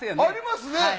ありますね。